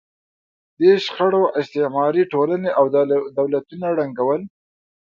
دې شخړو استعماري ټولنې او دولتونه ړنګول.